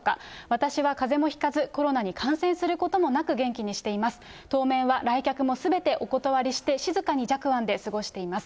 私はかぜもひかず、コロナに感染することもなく、元気にしています。